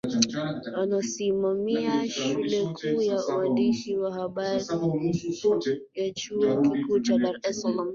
anasimamia shule kuu ya uandishi wa habari ya chuo kikuu cha dar es salaam